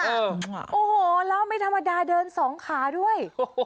โอ้โหแล้วไม่ธรรมดาเดินสองขาด้วย